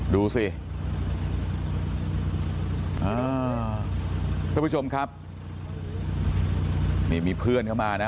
ดูสิอ่าท่านผู้ชมครับนี่มีเพื่อนเข้ามานะ